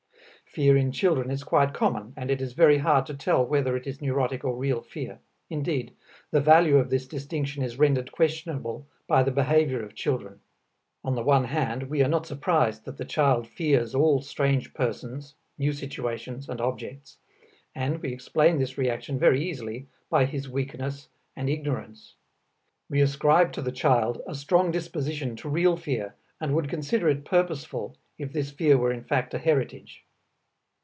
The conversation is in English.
Fear in children is quite common and it is very hard to tell whether it is neurotic or real fear. Indeed, the value of this distinction is rendered questionable by the behavior of children. On the one hand we are not surprised that the child fears all strange persons, new situations and objects, and we explain this reaction very easily by his weakness and ignorance. We ascribe to the child a strong disposition to real fear and would consider it purposeful if this fear were in fact a heritage.